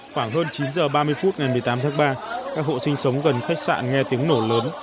khoảng hơn chín h ba mươi phút ngày một mươi tám tháng ba các hộ sinh sống gần khách sạn nghe tiếng nổ lớn